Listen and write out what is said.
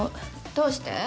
どうして？